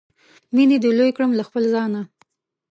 مینې دې لوی کړم له خپله ځانه